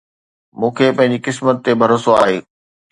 مون کي پنهنجي قسمت تي ڀروسو آهي